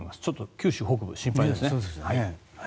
九州北部、心配ですね。